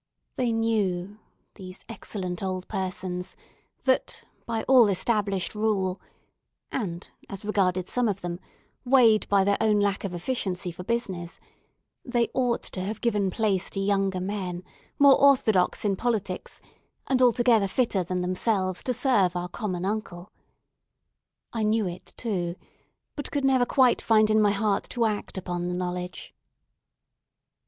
They knew, these excellent old persons, that, by all established rule—and, as regarded some of them, weighed by their own lack of efficiency for business—they ought to have given place to younger men, more orthodox in politics, and altogether fitter than themselves to serve our common Uncle. I knew it, too, but could never quite find in my heart to act upon the knowledge.